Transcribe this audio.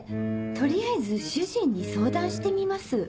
取りあえず主人に相談してみます。